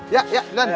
ya ya duluan